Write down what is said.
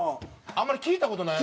あんまり聞いた事ないやつ。